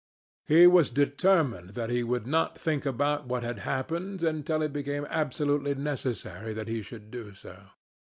He was determined that he would not think about what had happened until it became absolutely necessary that he should do so.